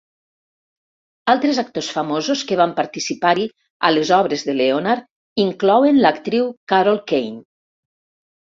Altres actors famosos que van participar-hi a les obres de Leonard inclouen l"actriu Carol Kane.